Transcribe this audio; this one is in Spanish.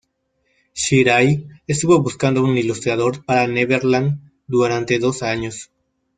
Shirai estuvo buscando un ilustrador para "Neverland" durante dos años.